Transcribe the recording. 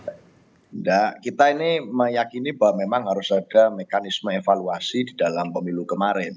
tidak kita ini meyakini bahwa memang harus ada mekanisme evaluasi di dalam pemilu kemarin